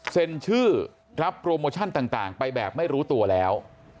เซ็นชื่อรับโปรโมชั่นต่างไปแบบไม่รู้ตัวแล้ว